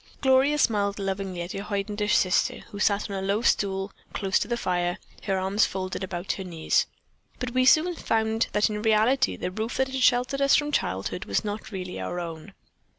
Gloria smiled lovingly at her hoidenish sister, who sat on a low stool close to the fire, her arms folded about her knees. "But we soon found that in reality the roof that had sheltered us from childhood was not really our own.